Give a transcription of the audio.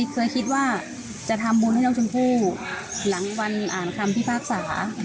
เคยคิดว่าจะทำบุญให้น้องชมพู่หลังวันอ่านคำพิพากษา